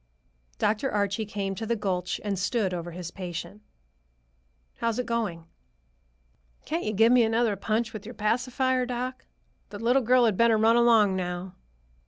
Dr. Archie came to the gulch and stood over his patient. "How's it going?" "Can't you give me another punch with your pacifier, doc? The little girl had better run along now."